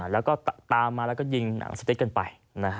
แล้วก็ตามมาแล้วก็ยิงหนังสติ๊กกันไป